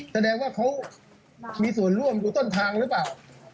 แสดงว่าเขามีส่วนร่วมดูต้นทางหรือเปล่า